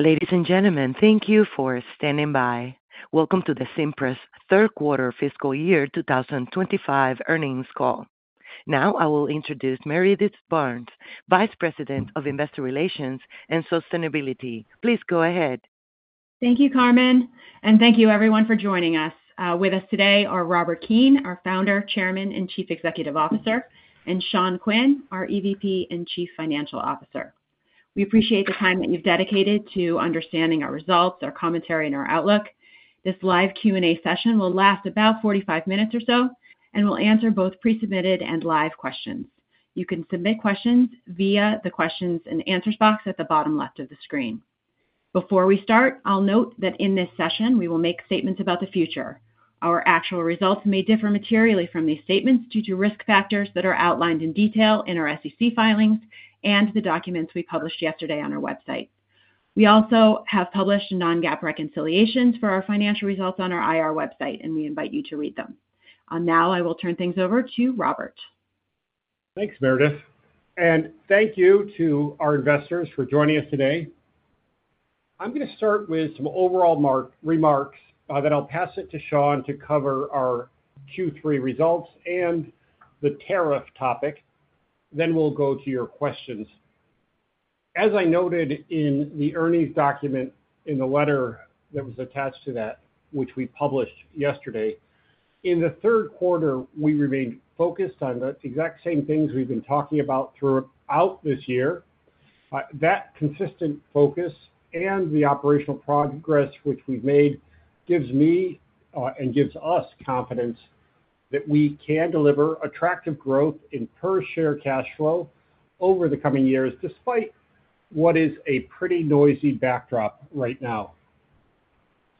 Ladies and gentlemen, thank you for standing by. Welcome to the Cimpress Third Quarter Fiscal Year 2025 Earnings Call. Now, I will introduce Meredith Burns, Vice President of Investor Relations and Sustainability. Please go ahead. Thank you, Carmen, and thank you, everyone, for joining us. With us today are Robert Keane, our Founder, Chairman, and Chief Executive Officer, and Sean Quinn, our EVP and Chief Financial Officer. We appreciate the time that you've dedicated to understanding our results, our commentary, and our outlook. This live Q&A session will last about 45 minutes or so, and we'll answer both pre-submitted and live questions. You can submit questions via the questions and answers box at the bottom left of the screen. Before we start, I'll note that in this session, we will make statements about the future. Our actual results may differ materially from these statements due to risk factors that are outlined in detail in our SEC filings and the documents we published yesterday on our website. We also have published non-GAAP reconciliations for our financial results on our IR website, and we invite you to read them. Now, I will turn things over to Robert. Thanks, Meredith. Thank you to our investors for joining us today. I'm going to start with some overall remarks, then I'll pass it to Sean to cover our Q3 results and the tariff topic, then we will go to your questions. As I noted in the earnings document in the letter that was attached to that, which we published yesterday, in the third quarter, we remained focused on the exact same things we've been talking about throughout this year. That consistent focus and the operational progress which we've made gives me and gives us confidence that we can deliver attractive growth in per-share cash flow over the coming years, despite what is a pretty noisy backdrop right now.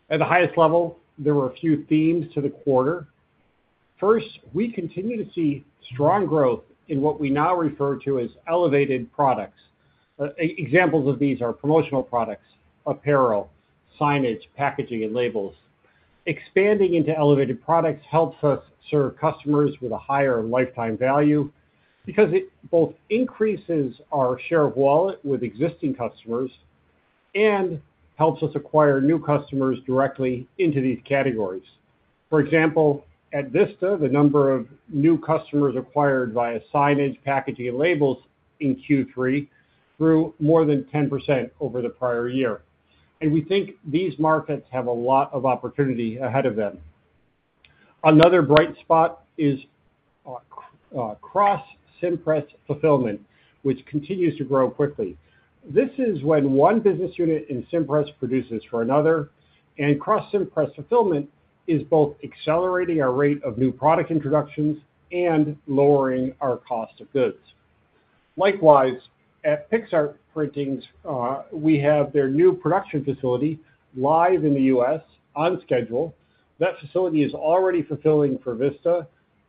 At the highest level, there were a few themes to the quarter. First, we continue to see strong growth in what we now refer to as elevated products. Examples of these are promotional products, apparel, signage, packaging, and labels. Expanding into elevated products helps us serve customers with a higher lifetime value because it both increases our share of wallet with existing customers and helps us acquire new customers directly into these categories. For example, at Vista, the number of new customers acquired via signage, packaging, and labels in Q3 grew more than 10% over the prior year. We think these markets have a lot of opportunity ahead of them. Another bright spot is Cross-Cimpress Fulfillment, which continues to grow quickly. This is when one business unit in Cimpress produces for another, and Cross-Cimpress Fulfillment is both accelerating our rate of new product introductions and lowering our cost of goods. Likewise, at Pixartprinting, we have their new production facility live in the U.S. on schedule. That facility is already fulfilling for Vista.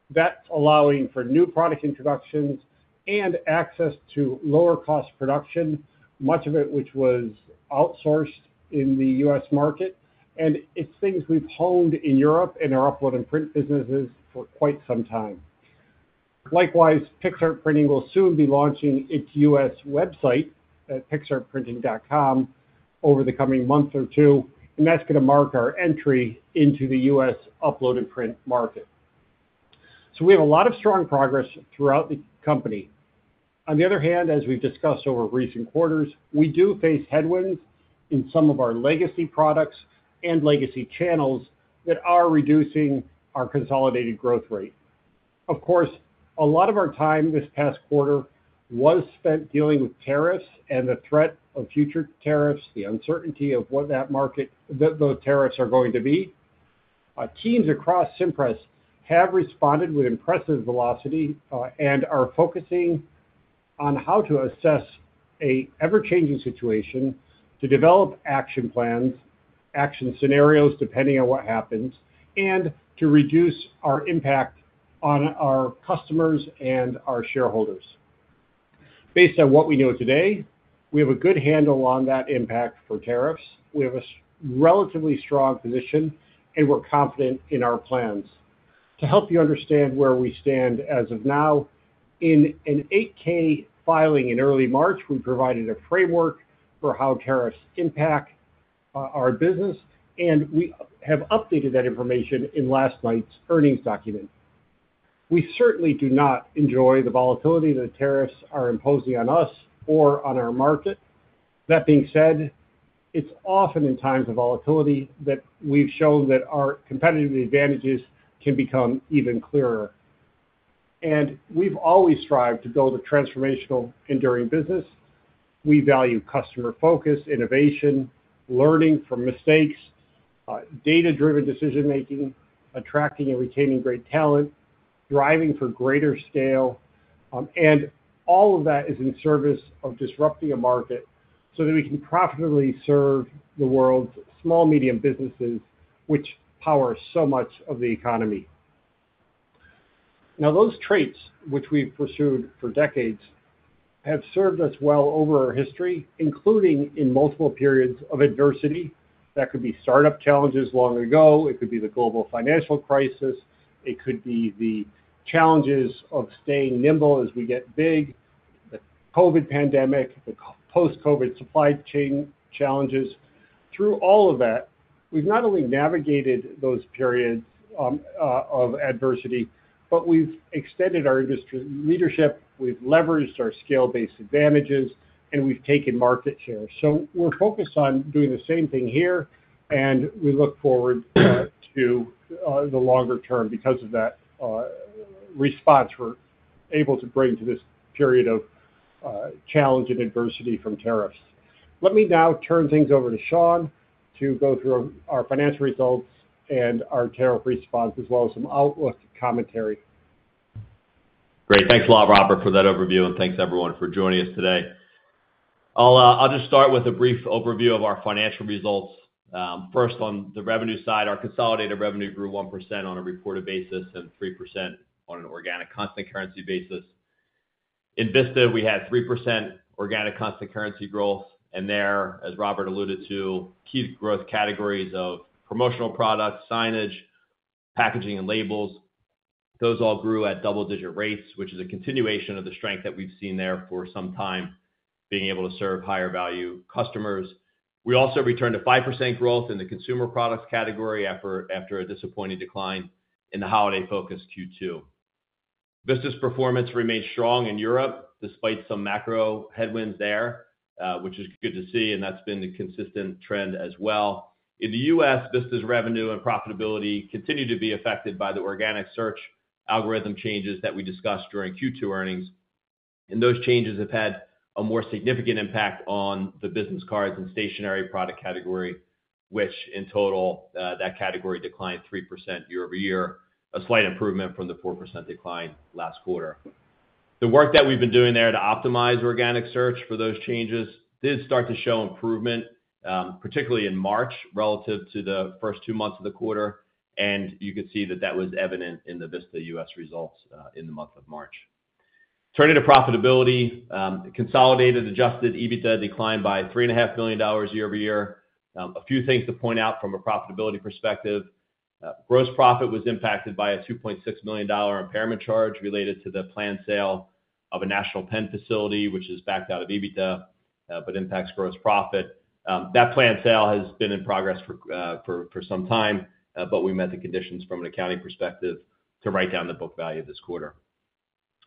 That's allowing for new product introductions and access to lower-cost production, much of it which was outsourced in the U.S. market, and it's things we've honed in Europe in our upload and print businesses for quite some time. Likewise, Pixartprinting will soon be launching its U.S. website at pixartprinting.com over the coming month or two, and that's going to mark our entry into the U.S. upload and print market. We have a lot of strong progress throughout the company. On the other hand, as we've discussed over recent quarters, we do face headwinds in some of our legacy products and legacy channels that are reducing our consolidated growth rate. Of course, a lot of our time this past quarter was spent dealing with tariffs and the threat of future tariffs, the uncertainty of what that market, those tariffs are going to be. Teams across Cimpress have responded with impressive velocity and are focusing on how to assess an ever-changing situation, to develop action plans, action scenarios depending on what happens, and to reduce our impact on our customers and our shareholders. Based on what we know today, we have a good handle on that impact for tariffs. We have a relatively strong position, and we're confident in our plans. To help you understand where we stand as of now, in an 8-K filing in early March, we provided a framework for how tariffs impact our business, and we have updated that information in last night's earnings document. We certainly do not enjoy the volatility that tariffs are imposing on us or on our market. That being said, it's often in times of volatility that we've shown that our competitive advantages can become even clearer. We have always strived to build a transformational, enduring business. We value customer focus, innovation, learning from mistakes, data-driven decision-making, attracting and retaining great talent, driving for greater scale, and all of that is in service of disrupting a market so that we can profitably serve the world's small, medium businesses, which power so much of the economy. Now, those traits which we have pursued for decades have served us well over our history, including in multiple periods of adversity. That could be startup challenges long ago. It could be the global financial crisis. It could be the challenges of staying nimble as we get big, the COVID pandemic, the post-COVID supply chain challenges. Through all of that, we have not only navigated those periods of adversity, but we have extended our industry leadership. We have leveraged our scale-based advantages, and we have taken market share. We're focused on doing the same thing here, and we look forward to the longer term because of that response we're able to bring to this period of challenge and adversity from tariffs. Let me now turn things over to Sean to go through our financial results and our tariff response, as well as some outlook commentary. Great. Thanks a lot, Robert, for that overview, and thanks, everyone, for joining us today. I'll just start with a brief overview of our financial results. First, on the revenue side, our consolidated revenue grew 1% on a reported basis and 3% on an organic constant currency basis. In Vista, we had 3% organic constant currency growth, and there, as Robert alluded to, key growth categories of promotional products, signage, packaging, and labels, those all grew at double-digit rates, which is a continuation of the strength that we've seen there for some time, being able to serve higher-value customers. We also returned to 5% growth in the consumer products category after a disappointing decline in the holiday-focused Q2. Vista's performance remained strong in Europe despite some macro headwinds there, which is good to see, and that's been the consistent trend as well. In the U.S., Vista's revenue and profitability continue to be affected by the organic search algorithm changes that we discussed during Q2 earnings. Those changes have had a more significant impact on the business cards and stationery product category, which in total, that category declined 3% year-over-year, a slight improvement from the 4% decline last quarter. The work that we've been doing there to optimize organic search for those changes did start to show improvement, particularly in March relative to the first two months of the quarter, and you could see that that was evident in the Vista U.S. results in the month of March. Turning to profitability, consolidated adjusted EBITDA declined by $3.5 million year over year. A few things to point out from a profitability perspective. Gross profit was impacted by a $2.6 million impairment charge related to the planned sale of a National Pen facility, which is backed out of EBITDA but impacts gross profit. That planned sale has been in progress for some time, but we met the conditions from an accounting perspective to write down the book value this quarter.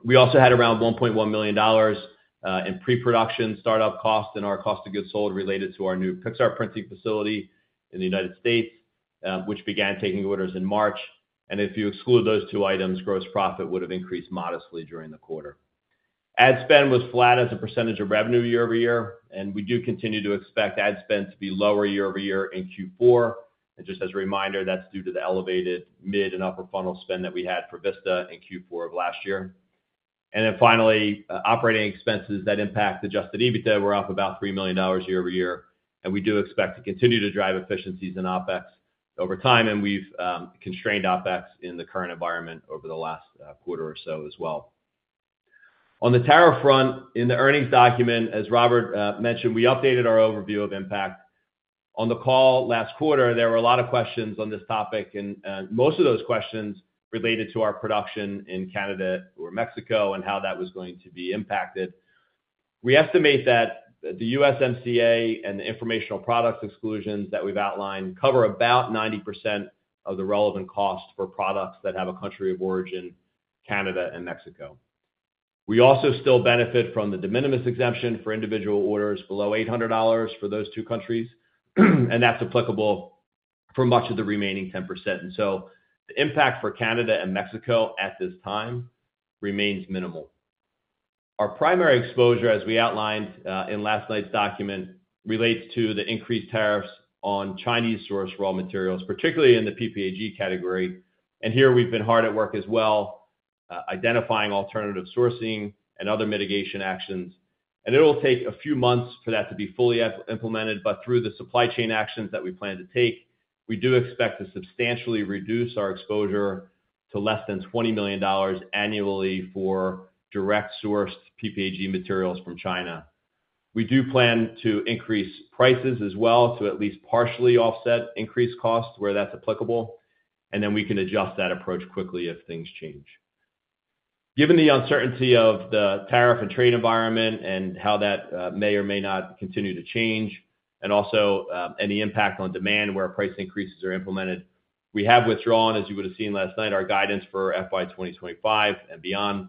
We also had around $1.1 million in pre-production startup cost and our cost of goods sold related to our new Pixartprinting facility in the United States, which began taking orders in March. If you exclude those two items, gross profit would have increased modestly during the quarter. Ad spend was flat as a percentage of revenue year-over-year, and we do continue to expect ad spend to be lower year-over-year in Q4. Just as a reminder, that's due to the elevated mid and upper funnel spend that we had for Vista in Q4 of last year. Finally, operating expenses that impact adjusted EBITDA were up about $3 million year-over-year, and we do expect to continue to drive efficiencies in OPEX over time, and we've constrained OPEX in the current environment over the last quarter or so as well. On the tariff front, in the earnings document, as Robert mentioned, we updated our overview of impact. On the call last quarter, there were a lot of questions on this topic, and most of those questions related to our production in Canada or Mexico and how that was going to be impacted. We estimate that the USMCA and the informational products exclusions that we've outlined cover about 90% of the relevant cost for products that have a country of origin, Canada and Mexico. We also still benefit from the de minimis exemption for individual orders below $800 for those two countries, and that's applicable for much of the remaining 10%. The impact for Canada and Mexico at this time remains minimal. Our primary exposure, as we outlined in last night's document, relates to the increased tariffs on Chinese-sourced raw materials, particularly in the PPAG category. Here we've been hard at work as well, identifying alternative sourcing and other mitigation actions. It will take a few months for that to be fully implemented, but through the supply chain actions that we plan to take, we do expect to substantially reduce our exposure to less than $20 million annually for direct-sourced PPAG materials from China. We do plan to increase prices as well to at least partially offset increased costs where that's applicable, and then we can adjust that approach quickly if things change. Given the uncertainty of the tariff and trade environment and how that may or may not continue to change, and also any impact on demand where price increases are implemented, we have withdrawn, as you would have seen last night, our guidance for FY 2025 and beyond.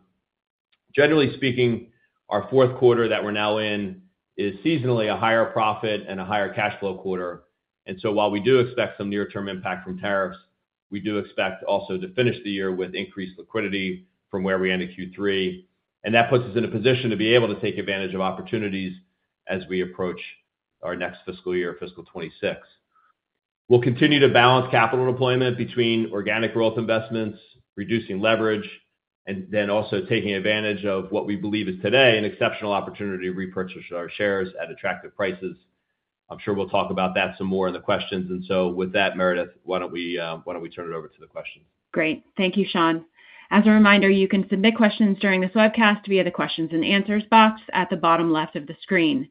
Generally speaking, our fourth quarter that we're now in is seasonally a higher profit and a higher cash flow quarter. While we do expect some near-term impact from tariffs, we do expect also to finish the year with increased liquidity from where we ended Q3. That puts us in a position to be able to take advantage of opportunities as we approach our next fiscal year, fiscal 2026. We will continue to balance capital deployment between organic growth investments, reducing leverage, and then also taking advantage of what we believe is today an exceptional opportunity to repurchase our shares at attractive prices. I am sure we will talk about that some more in the questions. With that, Meredith, why do we not turn it over to the questions? Great. Thank you, Sean. As a reminder, you can submit questions during this webcast via the questions and answers box at the bottom left of the screen.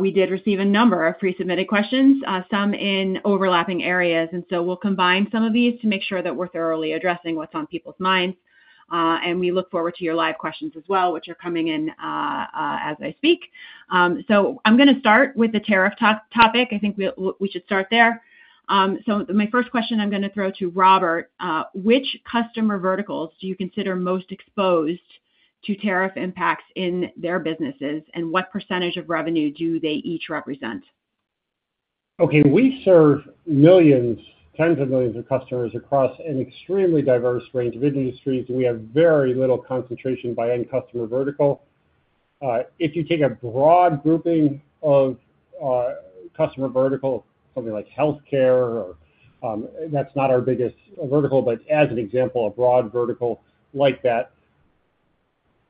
We did receive a number of pre-submitted questions, some in overlapping areas, and we will combine some of these to make sure that we are thoroughly addressing what is on people's minds. We look forward to your live questions as well, which are coming in as I speak. I am going to start with the tariff topic. I think we should start there. My first question I am going to throw to Robert, which customer verticals do you consider most exposed to tariff impacts in their businesses, and what percentage of revenue do they each represent? Okay. We serve millions, tens of millions of customers across an extremely diverse range of industries, and we have very little concentration by end customer vertical. If you take a broad grouping of customer verticals, something like healthcare, that's not our biggest vertical, but as an example, a broad vertical like that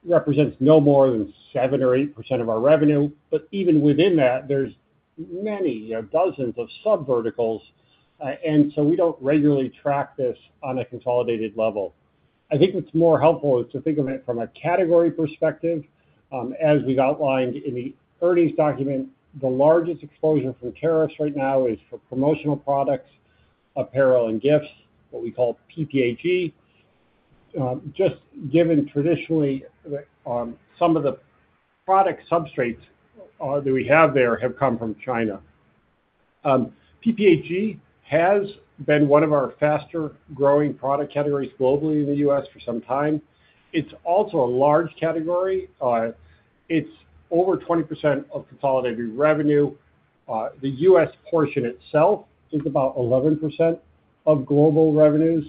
represents no more than 7-8% of our revenue. Even within that, there are many dozens of sub-verticals, and so we do not regularly track this on a consolidated level. I think it is more helpful to think of it from a category perspective. As we have outlined in the earnings document, the largest exposure from tariffs right now is for promotional products, apparel, and gifts, what we call PPAG. Just given traditionally, some of the product substrates that we have there have come from China. PPAG has been one of our faster-growing product categories globally in the U.S. for some time. It's also a large category. It's over 20% of consolidated revenue. The U.S. portion itself is about 11% of global revenues.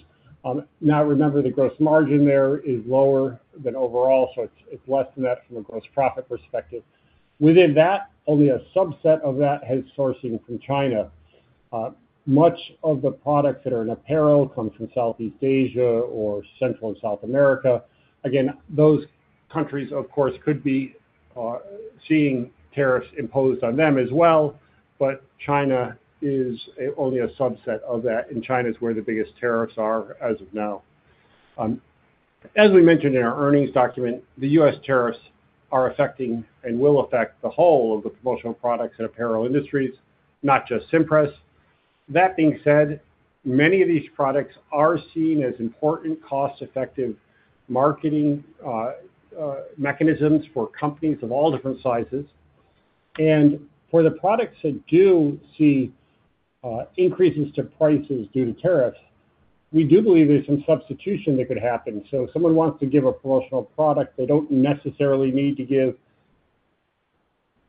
Now, remember, the gross margin there is lower than overall, so it's less than that from a gross profit perspective. Within that, only a subset of that has sourcing from China. Much of the products that are in apparel come from Southeast Asia or Central and South America. Again, those countries, of course, could be seeing tariffs imposed on them as well, but China is only a subset of that, and China is where the biggest tariffs are as of now. As we mentioned in our earnings document, the U.S. tariffs are affecting and will affect the whole of the promotional products and apparel industries, not just Cimpress. That being said, many of these products are seen as important cost-effective marketing mechanisms for companies of all different sizes. For the products that do see increases to prices due to tariffs, we do believe there's some substitution that could happen. If someone wants to give a promotional product, they don't necessarily need to give,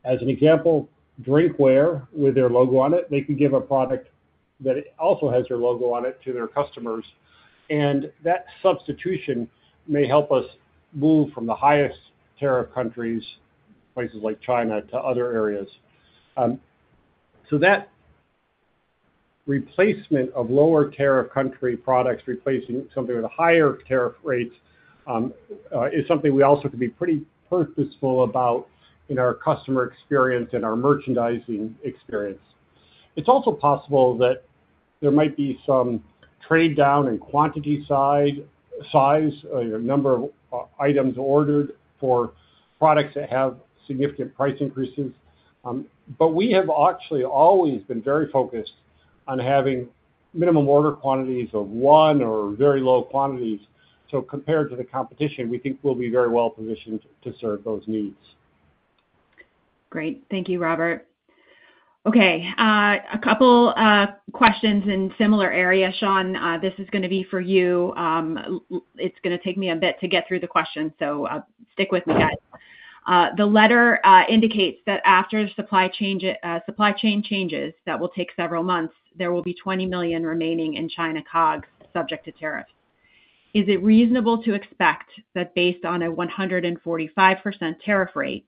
as an example, drinkware with their logo on it. They could give a product that also has their logo on it to their customers. That substitution may help us move from the highest tariff countries, places like China, to other areas. That replacement of lower tariff country products replacing something with a higher tariff rate is something we also could be pretty purposeful about in our customer experience and our merchandising experience. It's also possible that there might be some trade-down in quantity size, number of items ordered for products that have significant price increases. We have actually always been very focused on having minimum order quantities of one or very low quantities. Compared to the competition, we think we'll be very well positioned to serve those needs. Great. Thank you, Robert. Okay. A couple of questions in a similar area. Sean, this is going to be for you. It's going to take me a bit to get through the question, so stick with me, guys. The letter indicates that after supply chain changes that will take several months, there will be $20 million remaining in China COGS subject to tariffs. Is it reasonable to expect that based on a 145% tariff rate,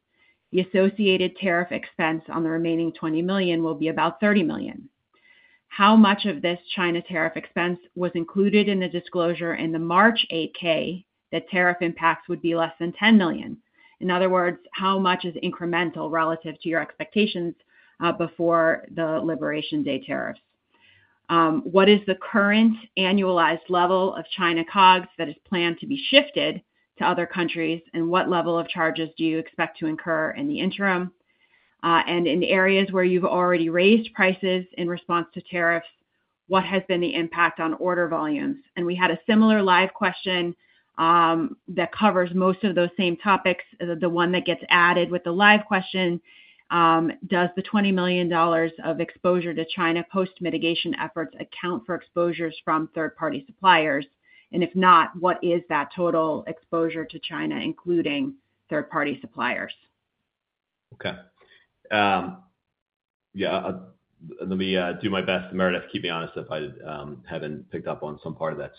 the associated tariff expense on the remaining $20 million will be about $30 million? How much of this China tariff expense was included in the disclosure in the March 8K that tariff impacts would be less than $10 million? In other words, how much is incremental relative to your expectations before the Liberation Day tariffs? What is the current annualized level of China COGS that is planned to be shifted to other countries, and what level of charges do you expect to incur in the interim? In areas where you've already raised prices in response to tariffs, what has been the impact on order volumes? We had a similar live question that covers most of those same topics. The one that gets added with the live question, does the $20 million of exposure to China post-mitigation efforts account for exposures from third-party suppliers? If not, what is that total exposure to China, including third-party suppliers? Okay. Yeah. Let me do my best, Meredith. Keep me honest if I have not picked up on some part of that.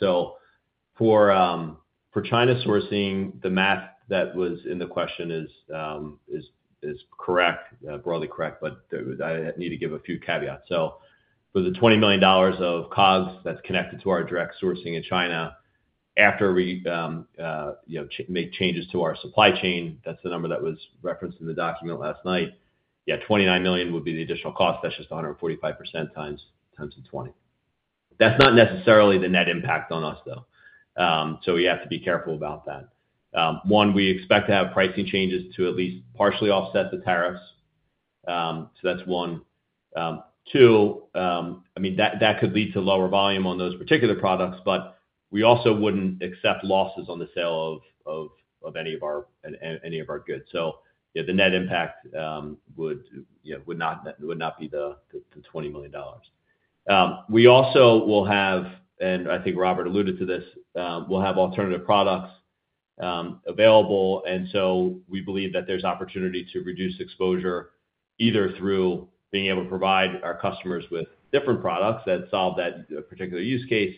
For China sourcing, the math that was in the question is correct, broadly correct, but I need to give a few caveats. For the $20 million of COGS that is connected to our direct sourcing in China, after we make changes to our supply chain, that is the number that was referenced in the document last night. Yeah, $29 million would be the additional cost. That is just 145% times 20. That is not necessarily the net impact on us, though. We have to be careful about that. One, we expect to have pricing changes to at least partially offset the tariffs. That is one. Two, I mean, that could lead to lower volume on those particular products, but we also would not accept losses on the sale of any of our goods. The net impact would not be the $20 million. We also will have, and I think Robert alluded to this, we will have alternative products available. We believe that there is opportunity to reduce exposure either through being able to provide our customers with different products that solve that particular use case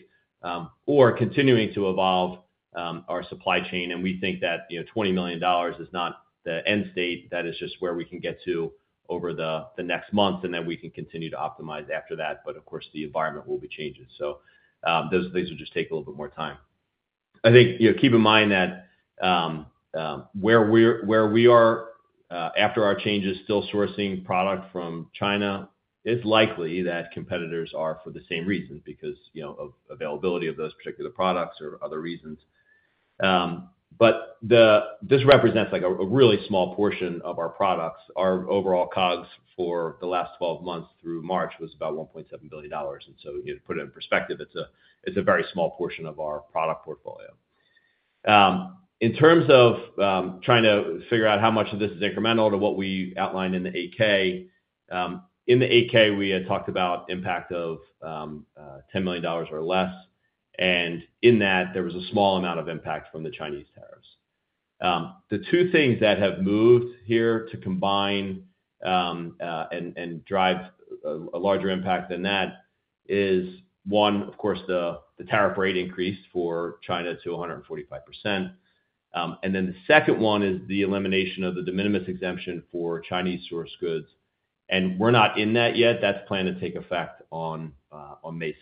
or continuing to evolve our supply chain. We think that $20 million is not the end state. That is just where we can get to over the next month, and then we can continue to optimize after that. Of course, the environment will be changing. Those things will just take a little bit more time. I think keep in mind that where we are after our changes, still sourcing product from China, it's likely that competitors are for the same reasons, because of availability of those particular products or other reasons. This represents a really small portion of our products. Our overall COGS for the last 12 months through March was about $1.7 billion. To put it in perspective, it's a very small portion of our product portfolio. In terms of trying to figure out how much of this is incremental to what we outlined in the 8K, in the 8K, we talked about impact of $10 million or less. In that, there was a small amount of impact from the Chinese tariffs. The two things that have moved here to combine and drive a larger impact than that is, one, of course, the tariff rate increase for China to 145%. The second one is the elimination of the de minimis exemption for Chinese-sourced goods. We are not in that yet. That is planned to take effect on May 2.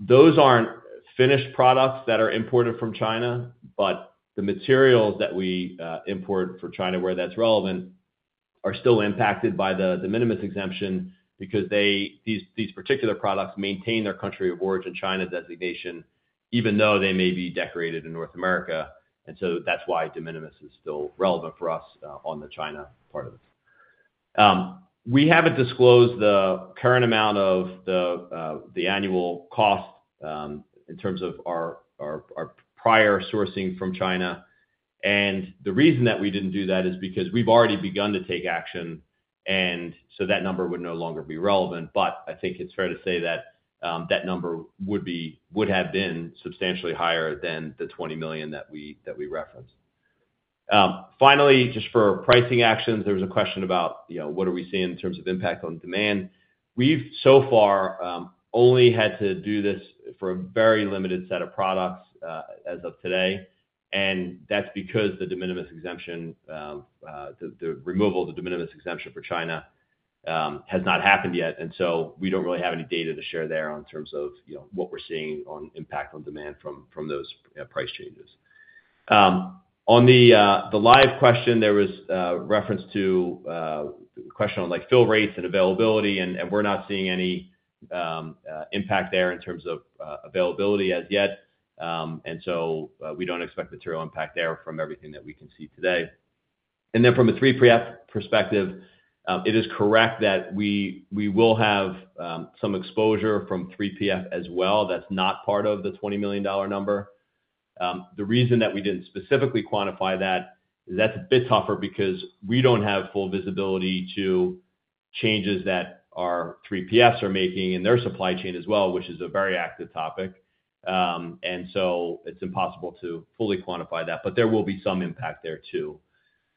Those are not finished products that are imported from China, but the materials that we import from China where that is relevant are still impacted by the de minimis exemption because these particular products maintain their country of origin, China designation, even though they may be decorated in North America. That is why de minimis is still relevant for us on the China part of it. We have not disclosed the current amount of the annual cost in terms of our prior sourcing from China. The reason that we did not do that is because we have already begun to take action, and so that number would no longer be relevant. I think it's fair to say that that number would have been substantially higher than the $20 million that we referenced. Finally, just for pricing actions, there was a question about what are we seeing in terms of impact on demand. We've so far only had to do this for a very limited set of products as of today. That's because the de minimis exemption, the removal of the de minimis exemption for China has not happened yet. We don't really have any data to share there in terms of what we're seeing on impact on demand from those price changes. On the live question, there was reference to a question on fill rates and availability, and we're not seeing any impact there in terms of availability as yet. We don't expect material impact there from everything that we can see today. From a 3PF perspective, it is correct that we will have some exposure from 3PF as well. That is not part of the $20 million number. The reason that we did not specifically quantify that is that is a bit tougher because we do not have full visibility to changes that our 3PFs are making in their supply chain as well, which is a very active topic. It is impossible to fully quantify that, but there will be some impact there too.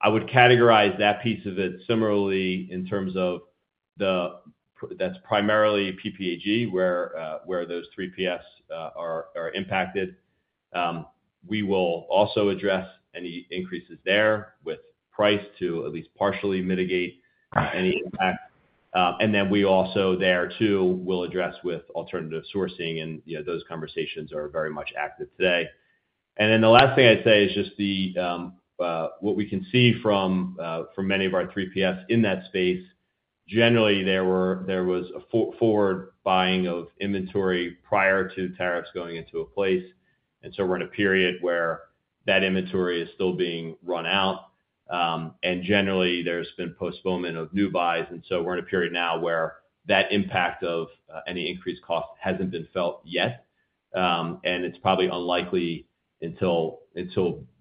I would categorize that piece of it similarly in terms of that is primarily PPAG where those 3PFs are impacted. We will also address any increases there with price to at least partially mitigate any impact. We also there too will address with alternative sourcing, and those conversations are very much active today. The last thing I'd say is just what we can see from many of our 3PFs in that space. Generally, there was a forward buying of inventory prior to tariffs going into place. We are in a period where that inventory is still being run out. Generally, there has been postponement of new buys. We are in a period now where that impact of any increased cost has not been felt yet. It is probably unlikely until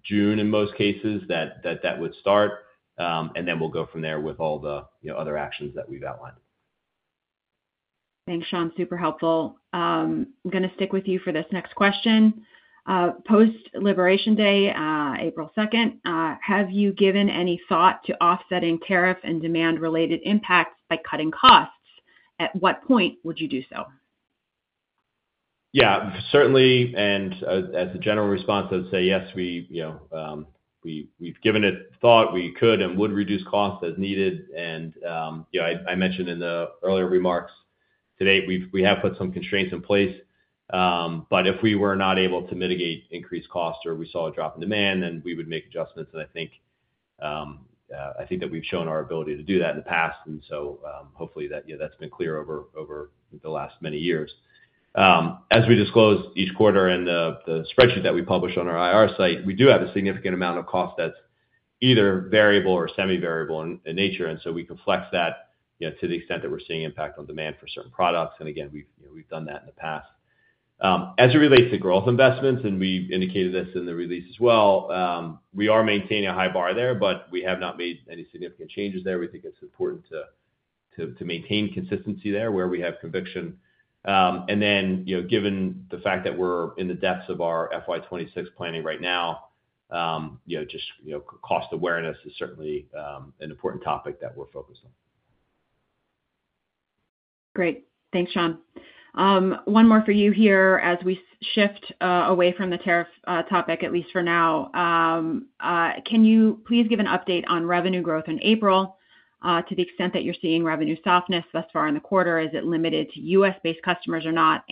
June in most cases that that would start. We will go from there with all the other actions that we have outlined. Thanks, Sean. Super helpful. I'm going to stick with you for this next question. Post-Liberation Day, April 2nd, have you given any thought to offsetting tariff and demand-related impacts by cutting costs? At what point would you do so? Yeah. Certainly. As a general response, I would say yes, we've given it thought. We could and would reduce costs as needed. I mentioned in the earlier remarks today, we have put some constraints in place. If we were not able to mitigate increased costs or we saw a drop in demand, then we would make adjustments. I think that we've shown our ability to do that in the past. Hopefully, that's been clear over the last many years. As we disclose each quarter in the spreadsheet that we publish on our IR site, we do have a significant amount of cost that's either variable or semi-variable in nature. We can flex that to the extent that we're seeing impact on demand for certain products. Again, we've done that in the past. As it relates to growth investments, and we've indicated this in the release as well, we are maintaining a high bar there, but we have not made any significant changes there. We think it's important to maintain consistency there where we have conviction. Given the fact that we're in the depths of our FY2026 planning right now, just cost awareness is certainly an important topic that we're focused on. Great. Thanks, Sean. One more for you here as we shift away from the tariff topic, at least for now. Can you please give an update on revenue growth in April to the extent that you're seeing revenue softness thus far in the quarter? Is it limited to U.S.-based customers or not?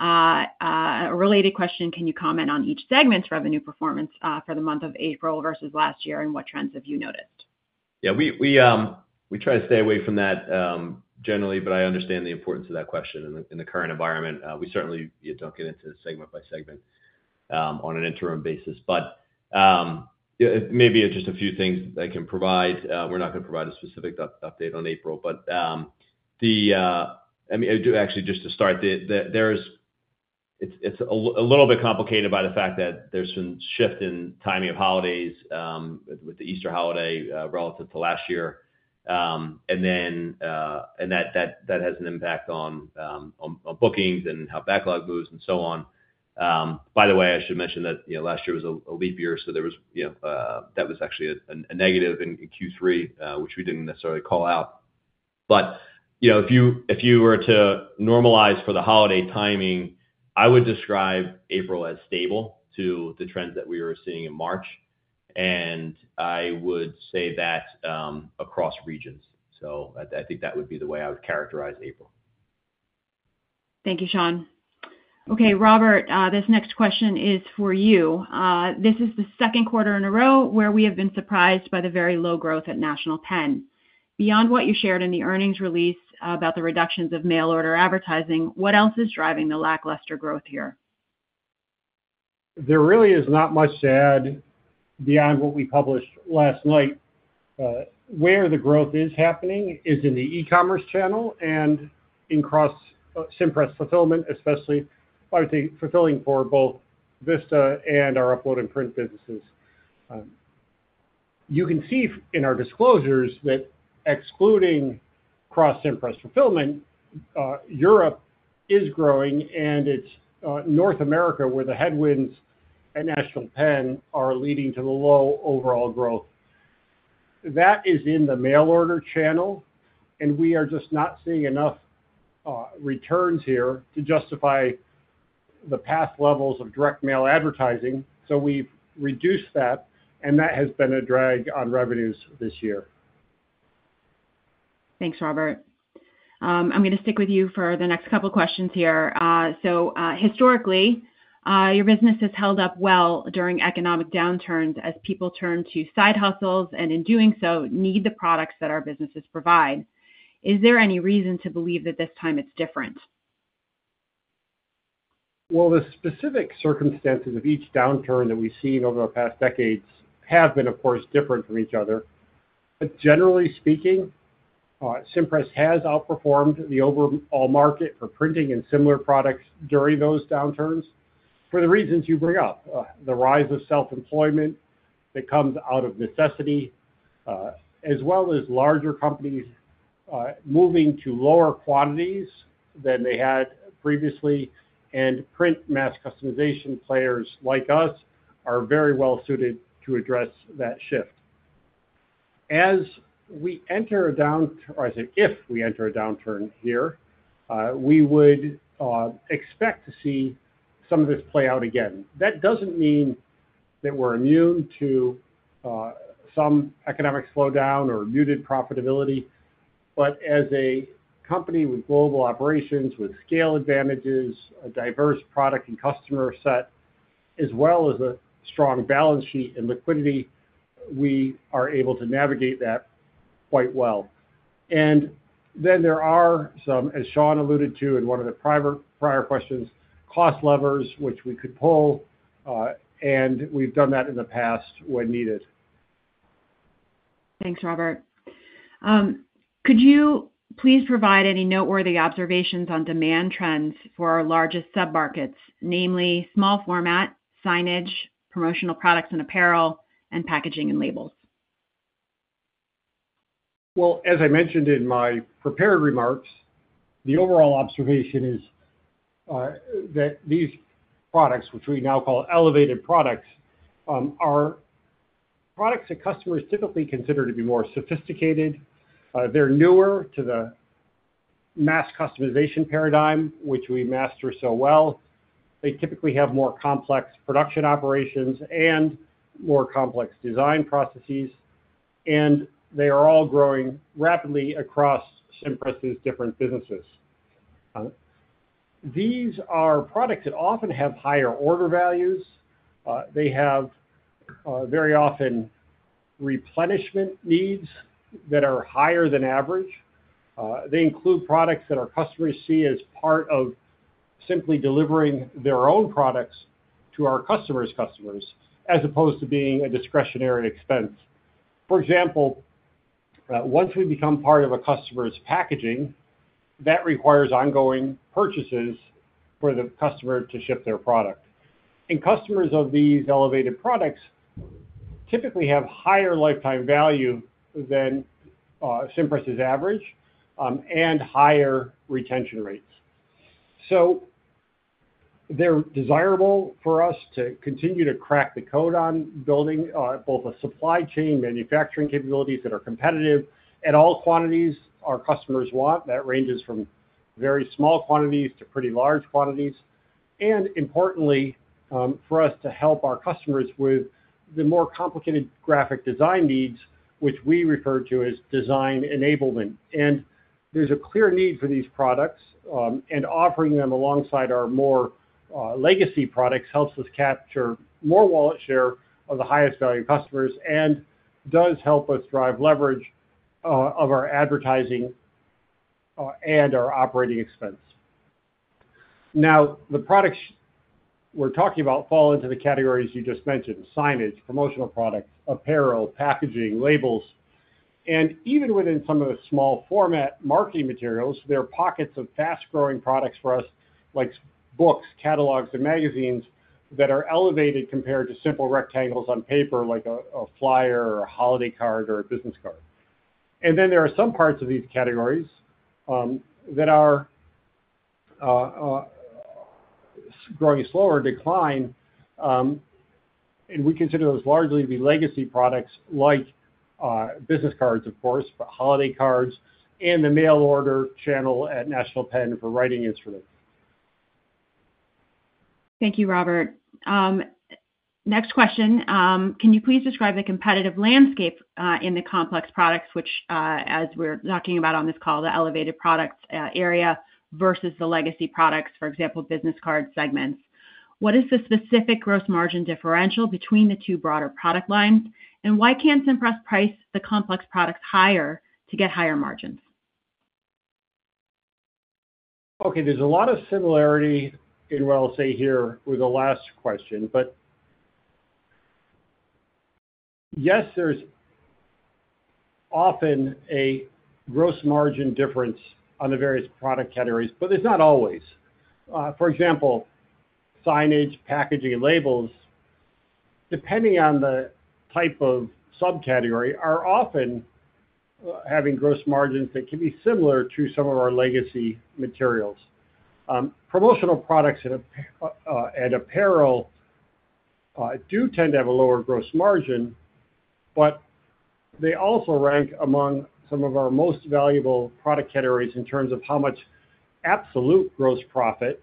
A related question, can you comment on each segment's revenue performance for the month of April versus last year and what trends have you noticed? Yeah. We try to stay away from that generally, but I understand the importance of that question in the current environment. We certainly do not get into segment by segment on an interim basis. Maybe just a few things that I can provide. We are not going to provide a specific update on April. I mean, actually, just to start, it is a little bit complicated by the fact that there has been a shift in timing of holidays with the Easter holiday relative to last year. That has an impact on bookings and how backlog moves and so on. By the way, I should mention that last year was a leap year, so that was actually a negative in Q3, which we did not necessarily call out. If you were to normalize for the holiday timing, I would describe April as stable to the trends that we were seeing in March. I would say that across regions. I think that would be the way I would characterize April. Thank you, Sean. Okay, Robert, this next question is for you. This is the second quarter in a row where we have been surprised by the very low growth at National Pen. Beyond what you shared in the earnings release about the reductions of mail order advertising, what else is driving the lackluster growth here? There really is not much to add beyond what we published last night. Where the growth is happening is in the e-commerce channel and in Cross-Cimpress Fulfillment, especially, I would say, fulfilling for both Vista and our upload and print businesses. You can see in our disclosures that excluding Cross-Cimpress Fulfillment, Europe is growing, and it is North America where the headwinds at National Pen are leading to the low overall growth. That is in the mail order channel, and we are just not seeing enough returns here to justify the past levels of direct mail advertising. We have reduced that, and that has been a drag on revenues this year. Thanks, Robert. I'm going to stick with you for the next couple of questions here. Historically, your business has held up well during economic downturns as people turn to side hustles and in doing so need the products that our businesses provide. Is there any reason to believe that this time it's different? The specific circumstances of each downturn that we've seen over the past decades have been, of course, different from each other. Generally speaking, Cimpress has outperformed the overall market for printing and similar products during those downturns for the reasons you bring up: the rise of self-employment that comes out of necessity, as well as larger companies moving to lower quantities than they had previously. Print mass customization players like us are very well suited to address that shift. As we enter a downturn, or I say, if we enter a downturn here, we would expect to see some of this play out again. That doesn't mean that we're immune to some economic slowdown or muted profitability. As a company with global operations, with scale advantages, a diverse product and customer set, as well as a strong balance sheet and liquidity, we are able to navigate that quite well. There are some, as Sean alluded to in one of the prior questions, cost levers, which we could pull, and we have done that in the past when needed. Thanks, Robert. Could you please provide any noteworthy observations on demand trends for our largest submarkets, namely small format, signage, promotional products and apparel, and packaging and labels? As I mentioned in my prepared remarks, the overall observation is that these products, which we now call elevated products, are products that customers typically consider to be more sophisticated. They're newer to the mass customization paradigm, which we master so well. They typically have more complex production operations and more complex design processes. They are all growing rapidly across Cimpress's different businesses. These are products that often have higher order values. They have very often replenishment needs that are higher than average. They include products that our customers see as part of simply delivering their own products to our customers' customers as opposed to being a discretionary expense. For example, once we become part of a customer's packaging, that requires ongoing purchases for the customer to ship their product. Customers of these elevated products typically have higher lifetime value than Cimpress's average and higher retention rates. They're desirable for us to continue to crack the code on building both supply chain manufacturing capabilities that are competitive at all quantities our customers want. That ranges from very small quantities to pretty large quantities. Importantly, for us to help our customers with the more complicated graphic design needs, which we refer to as design enablement. There's a clear need for these products. Offering them alongside our more legacy products helps us capture more wallet share of the highest value customers and does help us drive leverage of our advertising and our operating expense. Now, the products we're talking about fall into the categories you just mentioned: signage, promotional products, apparel, packaging, labels. Even within some of the small format marketing materials, there are pockets of fast-growing products for us, like books, catalogs, and magazines that are elevated compared to simple rectangles on paper, like a flyer or a holiday card or a business card. There are some parts of these categories that are growing slower and decline. We consider those largely to be legacy products like business cards, of course, but holiday cards and the mail order channel at National Pen for writing instruments. Thank you, Robert. Next question. Can you please describe the competitive landscape in the complex products, which, as we're talking about on this call, the elevated products area versus the legacy products, for example, business card segments? What is the specific gross margin differential between the two broader product lines? Why can't Cimpress price the complex products higher to get higher margins? Okay. There's a lot of similarity, I will say here, with the last question. Yes, there's often a gross margin difference on the various product categories, but it's not always. For example, signage, packaging, and labels, depending on the type of subcategory, are often having gross margins that can be similar to some of our legacy materials. Promotional products and apparel do tend to have a lower gross margin, but they also rank among some of our most valuable product categories in terms of how much absolute gross profit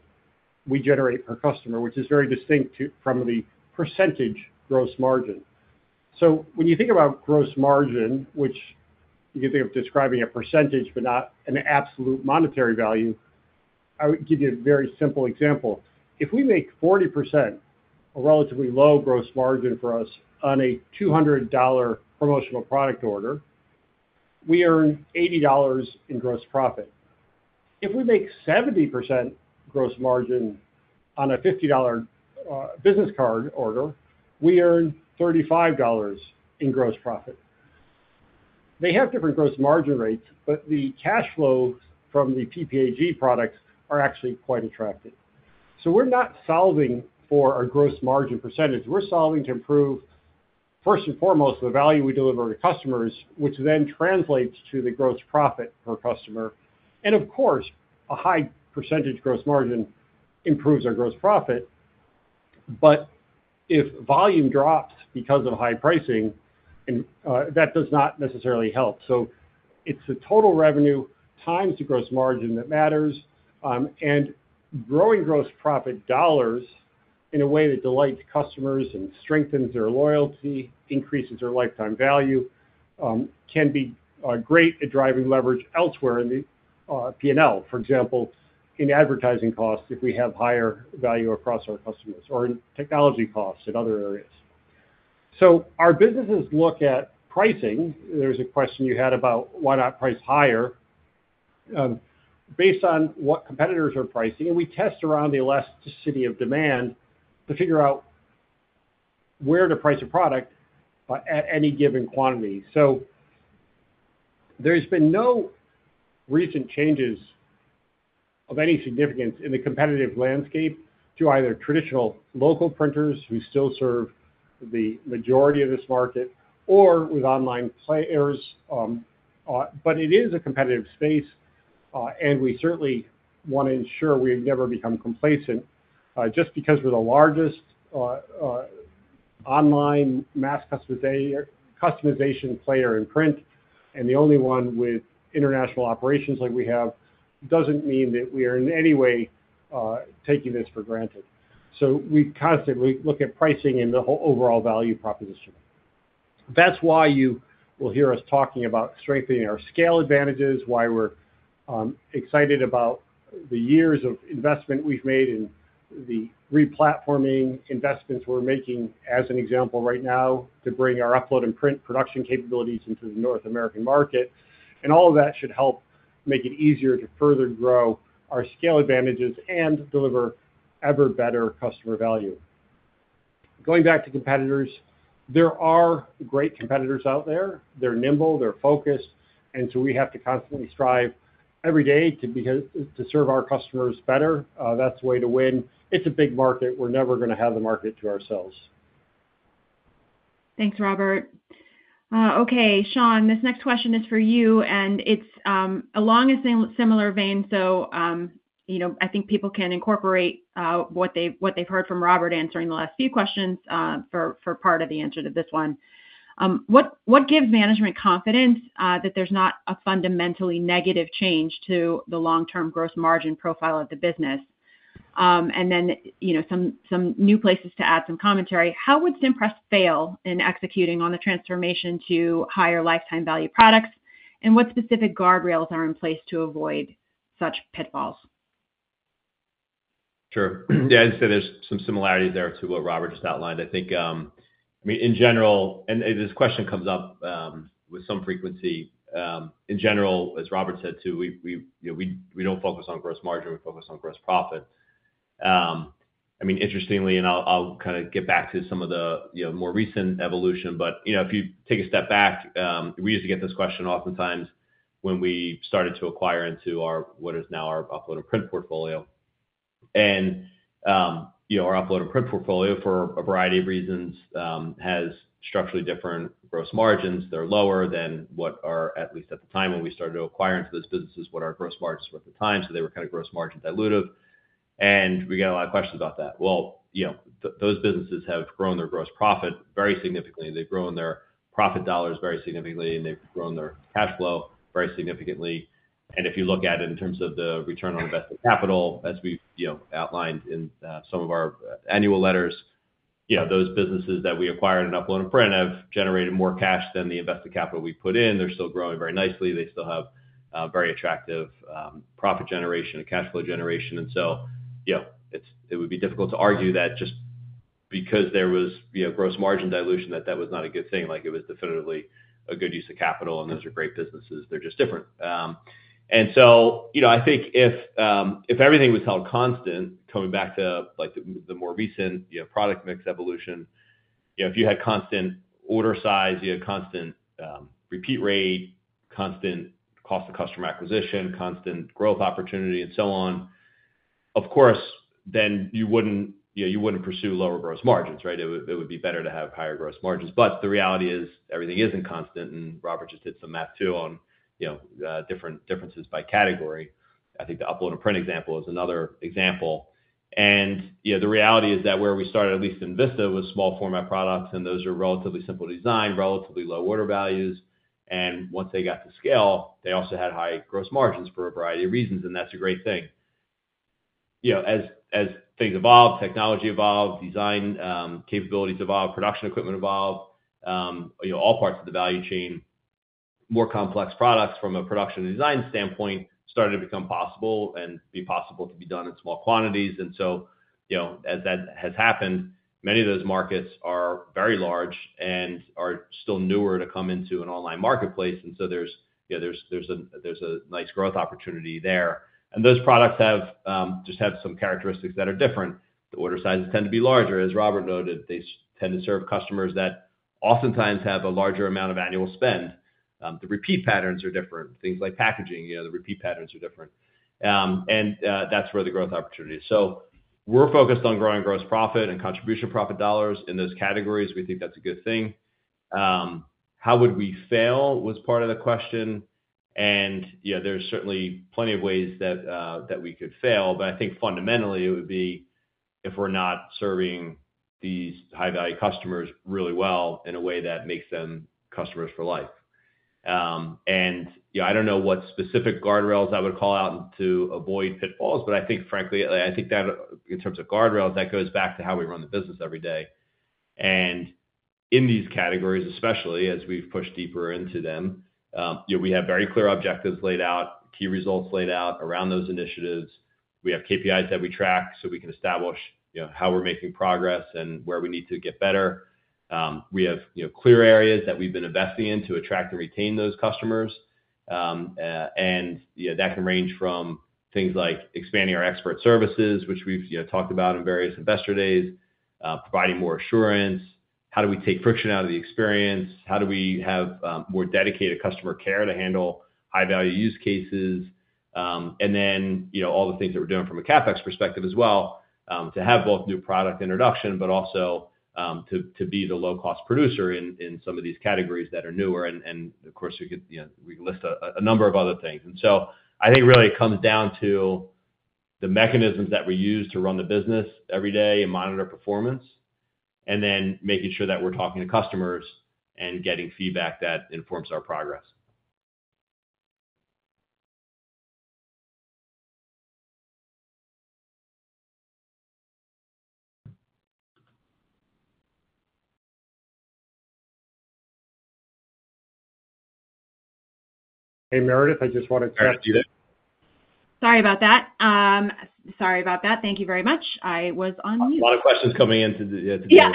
we generate per customer, which is very distinct from the percentage gross margin. When you think about gross margin, which you can think of describing a percentage but not an absolute monetary value, I would give you a very simple example. If we make 40% a relatively low gross margin for us on a $200 promotional product order, we earn $80 in gross profit. If we make 70% gross margin on a $50 business card order, we earn $35 in gross profit. They have different gross margin rates, but the cash flows from the PPAG products are actually quite attractive. We are not solving for our gross margin percentage. We are solving to improve, first and foremost, the value we deliver to customers, which then translates to the gross profit per customer. Of course, a high percentage gross margin improves our gross profit. If volume drops because of high pricing, that does not necessarily help. It is the total revenue times the gross margin that matters. Growing gross profit dollars in a way that delights customers and strengthens their loyalty, increases their lifetime value, can be great at driving leverage elsewhere in the P&L, for example, in advertising costs if we have higher value across our customers or in technology costs in other areas. Our businesses look at pricing. There's a question you had about why not price higher based on what competitors are pricing. We test around the elasticity of demand to figure out where to price a product at any given quantity. There have been no recent changes of any significance in the competitive landscape to either traditional local printers who still serve the majority of this market or with online players. It is a competitive space, and we certainly want to ensure we never become complacent. Just because we're the largest online mass customization player in print and the only one with international operations like we have, doesn't mean that we are in any way taking this for granted. We constantly look at pricing and the overall value proposition. That's why you will hear us talking about strengthening our scale advantages, why we're excited about the years of investment we've made in the replatforming investments we're making, as an example right now, to bring our upload and print production capabilities into the North American market. All of that should help make it easier to further grow our scale advantages and deliver ever better customer value. Going back to competitors, there are great competitors out there. They're nimble. They're focused. We have to constantly strive every day to serve our customers better. That's the way to win. It's a big market. We're never going to have the market to ourselves. Thanks, Robert. Okay, Sean, this next question is for you, and it's along a similar vein. I think people can incorporate what they've heard from Robert answering the last few questions for part of the answer to this one. What gives management confidence that there's not a fundamentally negative change to the long-term gross margin profile of the business? Some new places to add some commentary. How would Cimpress fail in executing on the transformation to higher lifetime value products? What specific guardrails are in place to avoid such pitfalls? Sure. Yeah, I'd say there's some similarities there to what Robert just outlined. I think, I mean, in general, and this question comes up with some frequency. In general, as Robert said too, we don't focus on gross margin. We focus on gross profit. I mean, interestingly, and I'll kind of get back to some of the more recent evolution, but if you take a step back, we used to get this question oftentimes when we started to acquire into what is now our upload and print portfolio. And our upload and print portfolio, for a variety of reasons, has structurally different gross margins. They're lower than what our, at least at the time when we started to acquire into those businesses, what our gross margins were at the time. They were kind of gross margin dilutive. We got a lot of questions about that. Those businesses have grown their gross profit very significantly. They have grown their profit dollars very significantly, and they have grown their cash flow very significantly. If you look at it in terms of the return on invested capital, as we have outlined in some of our annual letters, those businesses that we acquired in upload and print have generated more cash than the invested capital we put in. They are still growing very nicely. They still have very attractive profit generation and cash flow generation. It would be difficult to argue that just because there was gross margin dilution, that that was not a good thing. It was definitively a good use of capital, and those are great businesses. They are just different. I think if everything was held constant, coming back to the more recent product mix evolution, if you had constant order size, you had constant repeat rate, constant cost of customer acquisition, constant growth opportunity, and so on, of course, then you would not pursue lower gross margins, right? It would be better to have higher gross margins. The reality is everything is not constant. Robert just did some math too on different differences by category. I think the upload and print example is another example. The reality is that where we started, at least in Vista, was small format products, and those are relatively simple design, relatively low order values. Once they got to scale, they also had high gross margins for a variety of reasons, and that is a great thing. As things evolved, technology evolved, design capabilities evolved, production equipment evolved, all parts of the value chain, more complex products from a production and design standpoint started to become possible and be possible to be done in small quantities. As that has happened, many of those markets are very large and are still newer to come into an online marketplace. There is a nice growth opportunity there. Those products just have some characteristics that are different. The order sizes tend to be larger. As Robert noted, they tend to serve customers that oftentimes have a larger amount of annual spend. The repeat patterns are different. Things like packaging, the repeat patterns are different. That is where the growth opportunity is. We are focused on growing gross profit and contribution profit dollars in those categories. We think that is a good thing. How would we fail was part of the question. There are certainly plenty of ways that we could fail. I think fundamentally it would be if we're not serving these high-value customers really well in a way that makes them customers for life. I don't know what specific guardrails I would call out to avoid pitfalls. Frankly, I think that in terms of guardrails, that goes back to how we run the business every day. In these categories, especially as we've pushed deeper into them, we have very clear objectives laid out, key results laid out around those initiatives. We have KPIs that we track so we can establish how we're making progress and where we need to get better. We have clear areas that we've been investing in to attract and retain those customers. That can range from things like expanding our expert services, which we've talked about in various investor days, providing more assurance. How do we take friction out of the experience? How do we have more dedicated customer care to handle high-value use cases? All the things that we're doing from a CapEx perspective as well to have both new product introduction, but also to be the low-cost producer in some of these categories that are newer. Of course, we list a number of other things. I think really it comes down to the mechanisms that we use to run the business every day and monitor performance, and then making sure that we're talking to customers and getting feedback that informs our progress. Hey, Meredith, I just want to check. Hi, Steven. Sorry about that. Thank you very much. I was on mute. A lot of questions coming in today. Yeah.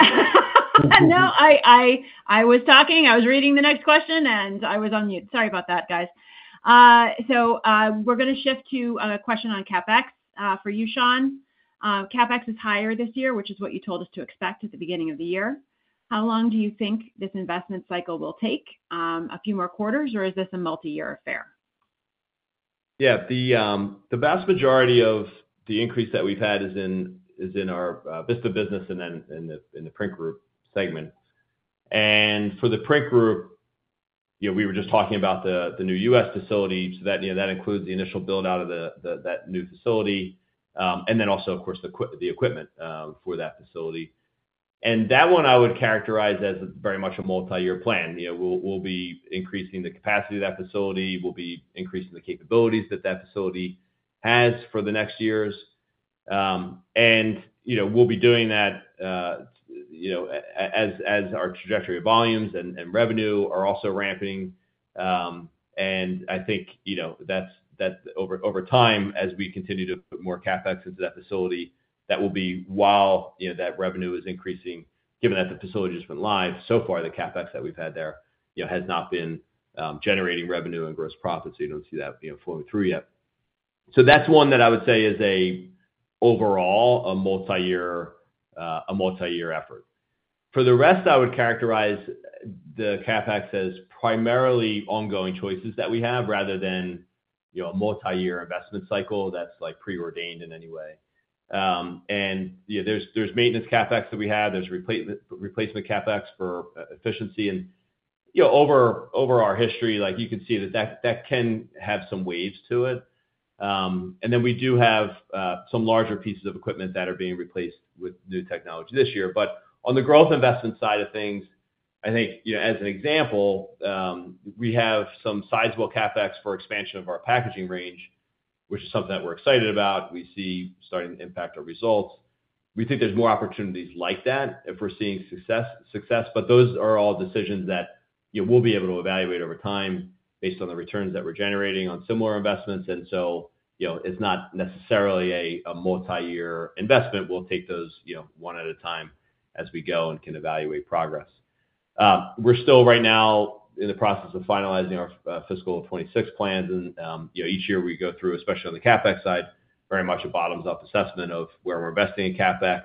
No, I was talking. I was reading the next question, and I was on mute. Sorry about that, guys. We are going to shift to a question on CapEx for you, Sean. CapEx is higher this year, which is what you told us to expect at the beginning of the year. How long do you think this investment cycle will take? A few more quarters, or is this a multi-year affair? Yeah. The vast majority of the increase that we've had is in our Vista business and then in the print group segment. For the print group, we were just talking about the new US facility. That includes the initial build-out of that new facility and then also, of course, the equipment for that facility. I would characterize that as very much a multi-year plan. We'll be increasing the capacity of that facility. We'll be increasing the capabilities that that facility has for the next years. We'll be doing that as our trajectory of volumes and revenue are also ramping. I think that over time, as we continue to put more CapEx into that facility, that will be while that revenue is increasing, given that the facility has been live. So far, the CapEx that we've had there has not been generating revenue and gross profits. You don't see that flowing through yet. That is one that I would say is overall a multi-year effort. For the rest, I would characterize the CapEx as primarily ongoing choices that we have rather than a multi-year investment cycle that's preordained in any way. There is maintenance CapEx that we have. There is replacement CapEx for efficiency. Over our history, you can see that that can have some waves to it. We do have some larger pieces of equipment that are being replaced with new technology this year. On the growth investment side of things, I think as an example, we have some sizable CapEx for expansion of our packaging range, which is something that we're excited about. We see starting to impact our results. We think there's more opportunities like that if we're seeing success. Those are all decisions that we'll be able to evaluate over time based on the returns that we're generating on similar investments. It is not necessarily a multi-year investment. We'll take those one at a time as we go and can evaluate progress. We're still right now in the process of finalizing our fiscal 2026 plans. Each year we go through, especially on the CapEx side, very much a bottoms-up assessment of where we're investing in CapEx.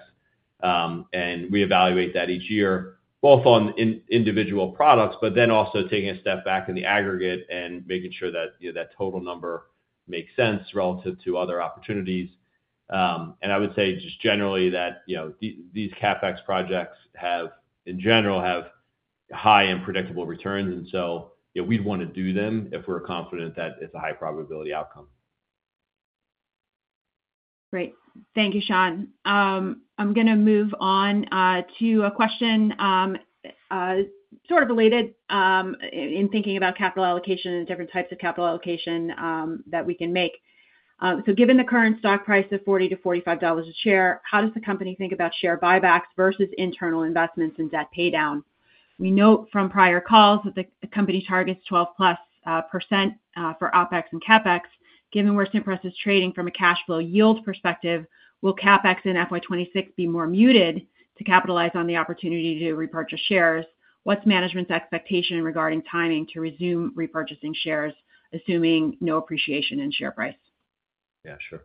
We evaluate that each year, both on individual products, but then also taking a step back in the aggregate and making sure that that total number makes sense relative to other opportunities. I would say just generally that these CapEx projects, in general, have high and predictable returns. We'd want to do them if we're confident that it's a high-probability outcome. Great. Thank you, Sean. I'm going to move on to a question sort of related in thinking about capital allocation and different types of capital allocation that we can make. Given the current stock price of $40-$45 a share, how does the company think about share buybacks versus internal investments and debt paydown? We note from prior calls that the company targets 12+% for OpEx and CapEx. Given where Cimpress is trading from a cash flow yield perspective, will CapEx in fiscal year 2026 be more muted to capitalize on the opportunity to repurchase shares? What's management's expectation regarding timing to resume repurchasing shares, assuming no appreciation in share price? Yeah, sure.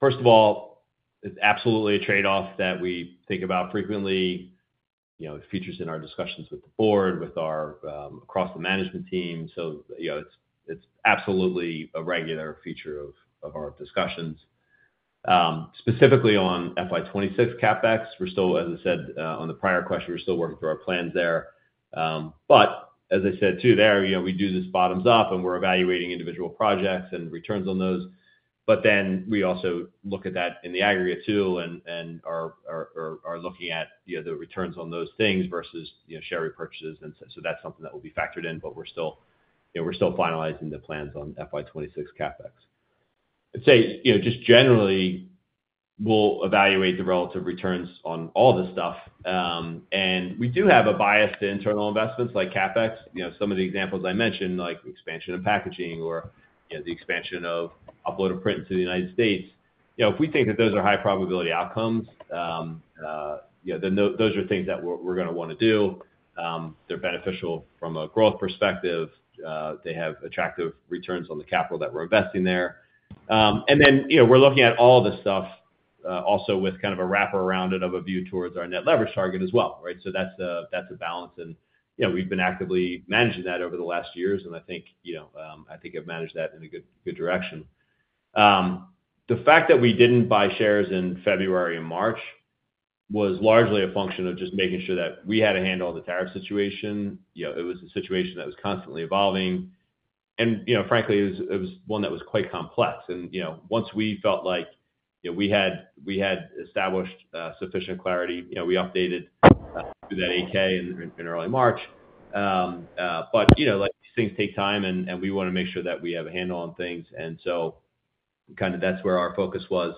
First of all, it's absolutely a trade-off that we think about frequently. It features in our discussions with the board, with our across the management team. It's absolutely a regular feature of our discussions. Specifically on FY26 CapEx, we're still, as I said on the prior question, we're still working through our plans there. As I said too there, we do this bottoms-up, and we're evaluating individual projects and returns on those. We also look at that in the aggregate too and are looking at the returns on those things versus share repurchases. That is something that will be factored in, but we're still finalizing the plans on FY26 CapEx. I'd say just generally, we'll evaluate the relative returns on all this stuff. We do have a bias to internal investments like CapEx. Some of the examples I mentioned, like expansion of packaging or the expansion of upload and print into the United States, if we think that those are high-probability outcomes, then those are things that we're going to want to do. They're beneficial from a growth perspective. They have attractive returns on the capital that we're investing there. We are looking at all this stuff also with kind of a wrapper around it of a view towards our net leverage target as well, right? That is a balance. We've been actively managing that over the last years. I think I've managed that in a good direction. The fact that we didn't buy shares in February and March was largely a function of just making sure that we had a handle on the tariff situation. It was a situation that was constantly evolving. Frankly, it was one that was quite complex. Once we felt like we had established sufficient clarity, we updated that AK in early March. These things take time, and we want to make sure that we have a handle on things. That is where our focus was.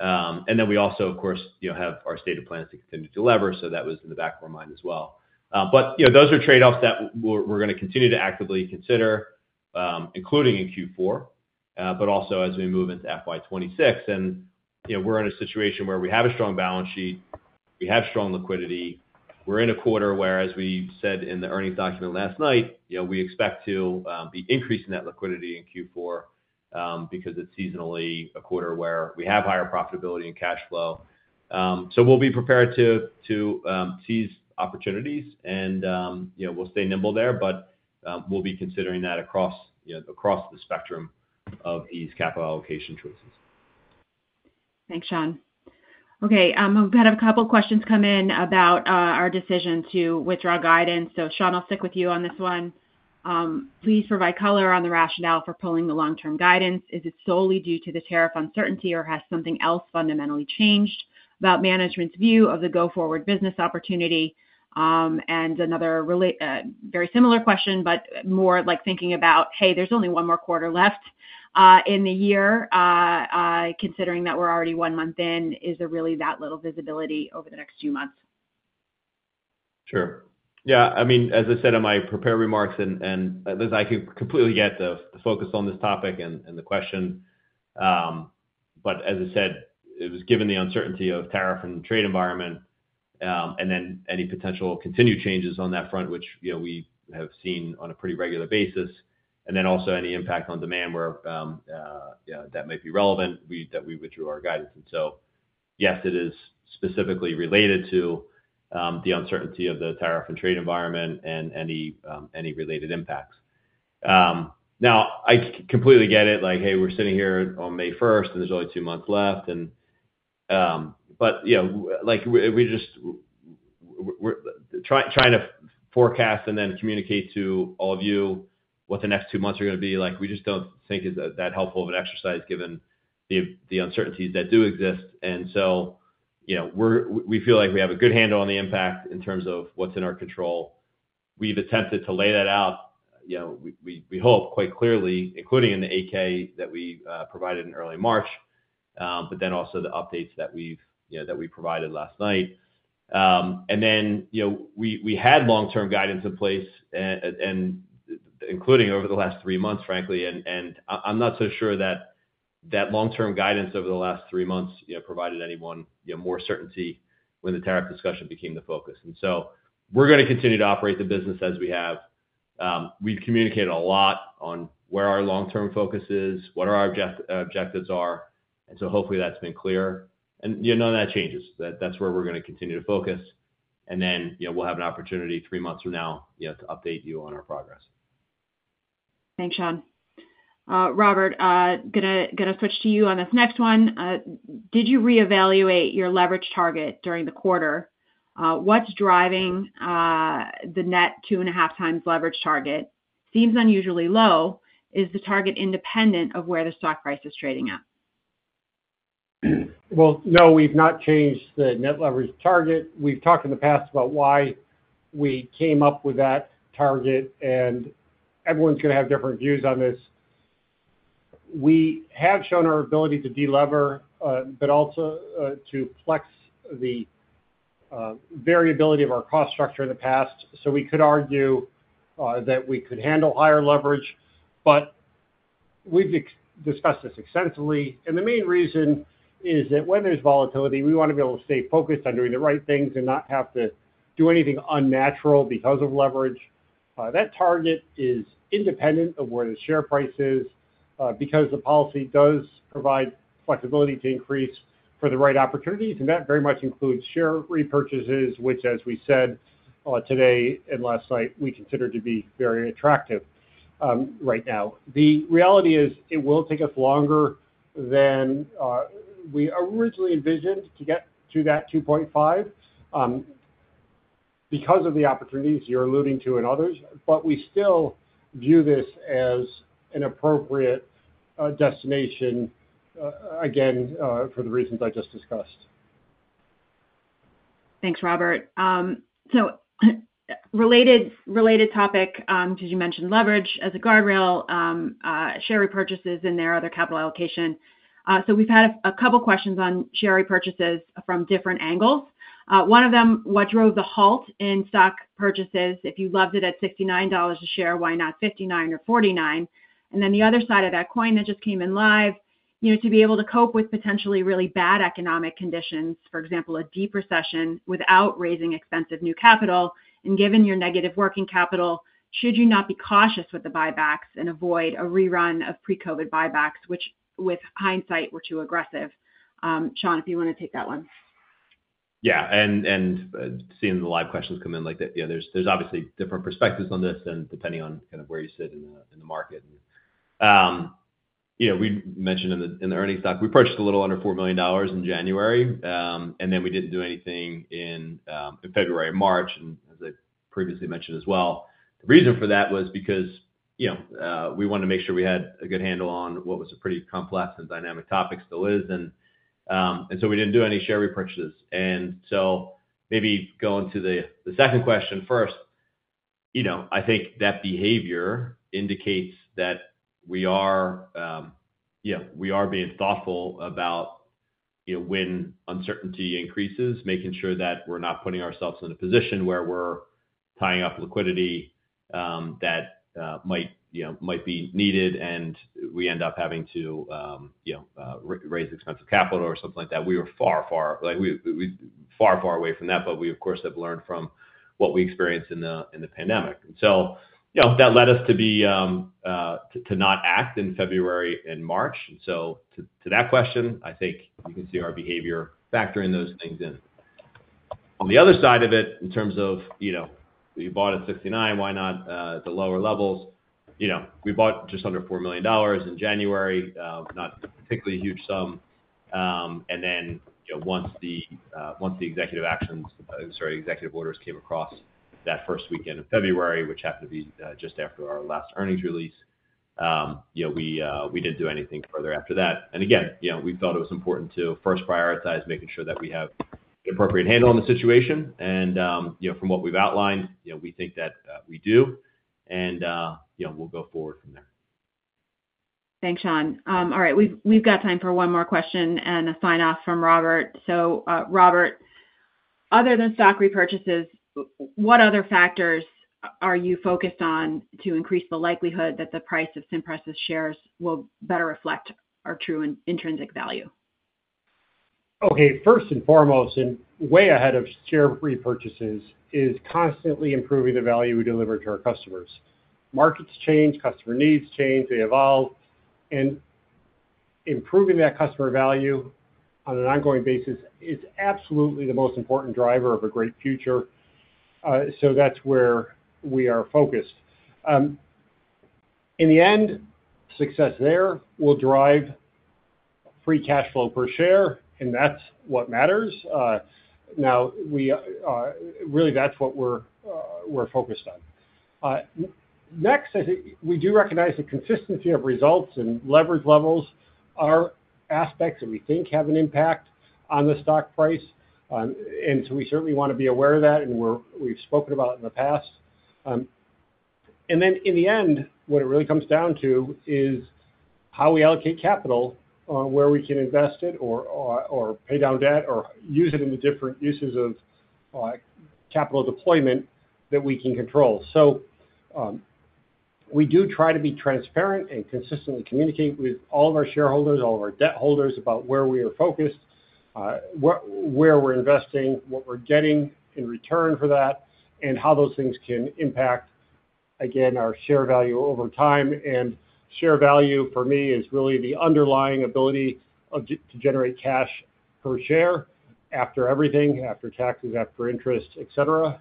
We also, of course, have our stated plans to continue to lever. That was in the back of our mind as well. Those are trade-offs that we are going to continue to actively consider, including in Q4, but also as we move into FY2026. We are in a situation where we have a strong balance sheet. We have strong liquidity. We're in a quarter where, as we said in the earnings document last night, we expect to be increasing that liquidity in Q4 because it's seasonally a quarter where we have higher profitability and cash flow. We will be prepared to seize opportunities, and we'll stay nimble there. We will be considering that across the spectrum of these capital allocation choices. Thanks, Sean. Okay. We've had a couple of questions come in about our decision to withdraw guidance. Sean, I'll stick with you on this one. Please provide color on the rationale for pulling the long-term guidance. Is it solely due to the tariff uncertainty, or has something else fundamentally changed about management's view of the go-forward business opportunity? Another very similar question, but more like thinking about, hey, there's only one more quarter left in the year. Considering that we're already one month in, is there really that little visibility over the next few months? Sure. Yeah. I mean, as I said in my prepared remarks, and I can completely get the focus on this topic and the question. As I said, it was given the uncertainty of tariff and trade environment and then any potential continued changes on that front, which we have seen on a pretty regular basis. Also, any impact on demand where that might be relevant that we withdrew our guidance. Yes, it is specifically related to the uncertainty of the tariff and trade environment and any related impacts. Now, I completely get it. Like, hey, we're sitting here on May 1st, and there's only two months left. We're just trying to forecast and then communicate to all of you what the next two months are going to be. We just do not think it's that helpful of an exercise given the uncertainties that do exist. We feel like we have a good handle on the impact in terms of what's in our control. We've attempted to lay that out. We hope quite clearly, including in the 8-K that we provided in early March, but then also the updates that we provided last night. We had long-term guidance in place, including over the last three months, frankly. I'm not so sure that that long-term guidance over the last three months provided anyone more certainty when the tariff discussion became the focus. We are going to continue to operate the business as we have. We've communicated a lot on where our long-term focus is, what our objectives are. Hopefully that's been clear. None of that changes. That's where we're going to continue to focus. We will have an opportunity three months from now to update you on our progress. Thanks, Sean. Robert, going to switch to you on this next one. Did you reevaluate your leverage target during the quarter? What's driving the net two and a half times leverage target? Seems unusually low. Is the target independent of where the stock price is trading at? No, we've not changed the net leverage target. We've talked in the past about why we came up with that target, and everyone's going to have different views on this. We have shown our ability to delever, but also to flex the variability of our cost structure in the past. We could argue that we could handle higher leverage, but we've discussed this extensively. The main reason is that when there's volatility, we want to be able to stay focused on doing the right things and not have to do anything unnatural because of leverage. That target is independent of where the share price is because the policy does provide flexibility to increase for the right opportunities. That very much includes share repurchases, which, as we said today and last night, we consider to be very attractive right now. The reality is it will take us longer than we originally envisioned to get to that 2.5 because of the opportunities you're alluding to and others. We still view this as an appropriate destination, again, for the reasons I just discussed. Thanks, Robert. Related topic, because you mentioned leverage as a guardrail, share repurchases and their other capital allocation. We have had a couple of questions on share repurchases from different angles. One of them, what drove the halt in stock purchases? If you loved it at $69 a share, why not $59 or $49? The other side of that coin that just came in live, to be able to cope with potentially really bad economic conditions, for example, a deep recession without raising expensive new capital. Given your negative working capital, should you not be cautious with the buybacks and avoid a rerun of pre-COVID buybacks, which with hindsight were too aggressive? Sean, if you want to take that one. Yeah. Seeing the live questions come in like that, there's obviously different perspectives on this and depending on kind of where you sit in the market. We mentioned in the earnings stock, we purchased a little under $4 million in January, and then we did not do anything in February or March. As I previously mentioned as well, the reason for that was because we wanted to make sure we had a good handle on what was a pretty complex and dynamic topic, still is. We did not do any share repurchases. Maybe going to the second question first, I think that behavior indicates that we are being thoughtful about when uncertainty increases, making sure that we are not putting ourselves in a position where we are tying up liquidity that might be needed and we end up having to raise expensive capital or something like that. We were far, far, far, far away from that, but we, of course, have learned from what we experienced in the pandemic. That led us to not act in February and March. To that question, I think you can see our behavior factoring those things in. On the other side of it, in terms of we bought at $69, why not at the lower levels? We bought just under $4 million in January, not a particularly huge sum. Once the executive actions, sorry, executive orders came across that first weekend in February, which happened to be just after our last earnings release, we did not do anything further after that. Again, we felt it was important to first prioritize making sure that we have an appropriate handle on the situation. From what we've outlined, we think that we do, and we'll go forward from there. Thanks, Sean. All right. We've got time for one more question and a sign-off from Robert. Robert, other than stock repurchases, what other factors are you focused on to increase the likelihood that the price of Cimpress's shares will better reflect our true intrinsic value? Okay. First and foremost, and way ahead of share repurchases, is constantly improving the value we deliver to our customers. Markets change, customer needs change, they evolve. Improving that customer value on an ongoing basis is absolutely the most important driver of a great future. That is where we are focused. In the end, success there will drive free cash flow per share, and that is what matters. Now, really, that is what we are focused on. Next, we do recognize the consistency of results and leverage levels are aspects that we think have an impact on the stock price. We certainly want to be aware of that, and we have spoken about it in the past. In the end, what it really comes down to is how we allocate capital where we can invest it or pay down debt or use it in the different uses of capital deployment that we can control. We do try to be transparent and consistently communicate with all of our shareholders, all of our debt holders about where we are focused, where we're investing, what we're getting in return for that, and how those things can impact, again, our share value over time. Share value, for me, is really the underlying ability to generate cash per share after everything, after taxes, after interest, etc.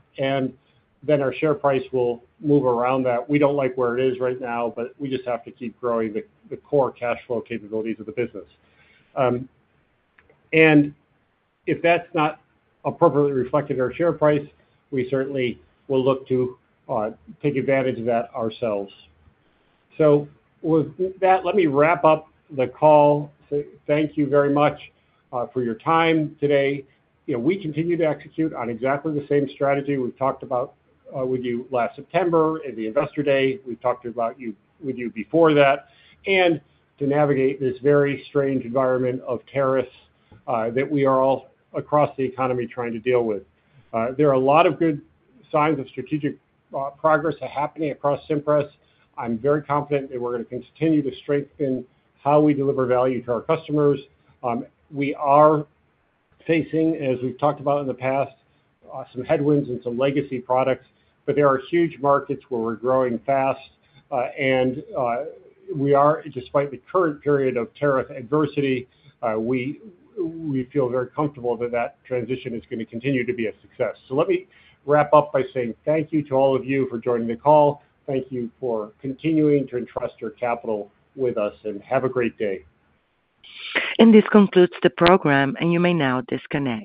Our share price will move around that. We don't like where it is right now, but we just have to keep growing the core cash flow capabilities of the business. If that's not appropriately reflected in our share price, we certainly will look to take advantage of that ourselves. With that, let me wrap up the call. Thank you very much for your time today. We continue to execute on exactly the same strategy we've talked about with you last September and the investor day. We've talked about with you before that. To navigate this very strange environment of tariffs that we are all across the economy trying to deal with, there are a lot of good signs of strategic progress happening across Cimpress. I'm very confident that we're going to continue to strengthen how we deliver value to our customers. We are facing, as we've talked about in the past, some headwinds and some legacy products, but there are huge markets where we're growing fast. Despite the current period of tariff adversity, we feel very comfortable that that transition is going to continue to be a success. Let me wrap up by saying thank you to all of you for joining the call. Thank you for continuing to entrust your capital with us, and have a great day. This concludes the program, and you may now disconnect.